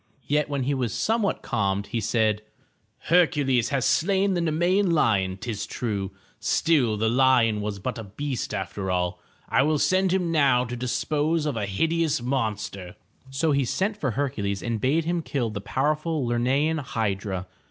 Yet when he was somewhat calmed he said: "Hercules has slain the Nemean lion, 'tis true, still, the lion was but a beast after all. I will send him now to dispose of a hideous monster.'' So he sent for Hercules and bade him kill the powerful Ler'ne an hydra.